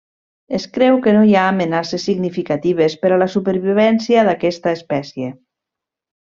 Es creu que no hi ha amenaces significatives per a la supervivència d'aquesta espècie.